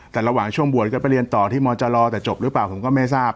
แต่ระหว่างช่วงบวชก็ไปเรียนต่อที่มจรแต่จบหรือเปล่าผมก็ไม่ทราบ